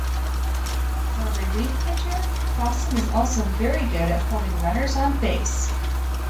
For a relief pitcher, Fossum is also very good at holding runners on base.